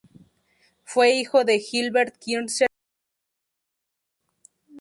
Fue hijo de Gilbert Kirshner y Belle Jaffe.